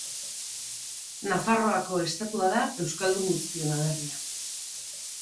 Nafarroako estatua da euskaldun guztion aberria.